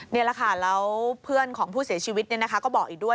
นี่แหละค่ะแล้วเพื่อนของผู้เสียชีวิตก็บอกอีกด้วย